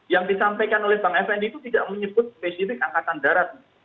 yang disampaikan oleh bang fnd itu tidak menyebut spesifik angkatan darat